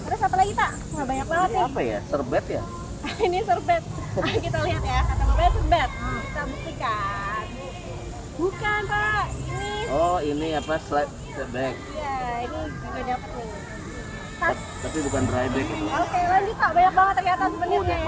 enggak banyak banget terlihat sebenarnya konsumsi yang lain jalan jalan jalan khawatir dikasih konsumsi